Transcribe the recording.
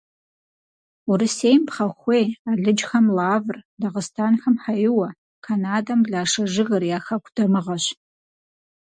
Урысейм пхъэхуей, алыджхэм лавр, дагъыстэнхэм хьэиуэ, канадэм блашэ жыгыр я хэку дамыгъэщ.